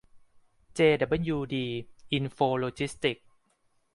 เจดับเบิ้ลยูดี อินโฟโลจิสติกส์